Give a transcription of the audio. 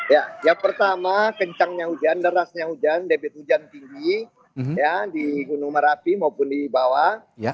ya yang pertama kencangnya hujan derasnya hujan debit hujan tinggi di gunung merapi maupun di bawah